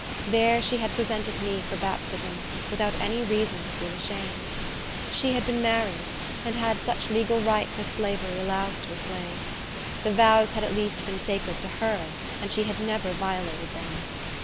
There she had presented me for baptism, without any reason to feel ashamed. She had been married, and had such legal rights as slavery allows to a slave. The vows had at least been sacred to her, and she had never violated them.